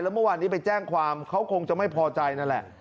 เมื่อวานนี้ไปแจ้งความเขาคงจะไม่พอใจนั่นแหละ